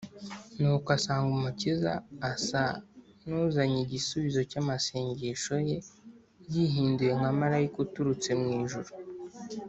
Nuko asanga Umukiza, asa n’uzanye igisubizo cy’amasengesho ye, yihinduye nka Marayika uturutse mu ijuru.